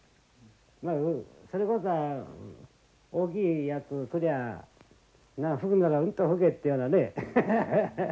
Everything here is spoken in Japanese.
それこそ大きいやつ来りゃ吹くならもっと吹けっていうようなねハハハ